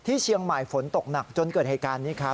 ที่เชียงใหม่ฝนตกหนักจนเกิดเหนือนี้ครับ